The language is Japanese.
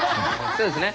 そうですね。